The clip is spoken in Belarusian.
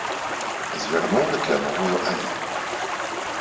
Звярнуў на кляновую алею.